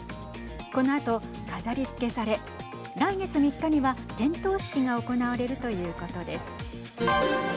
このあと飾りつけされ来月３日には点灯式が行われるということです。